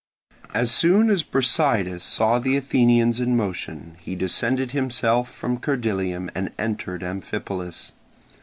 As soon as Brasidas saw the Athenians in motion he descended himself from Cerdylium and entered Amphipolis.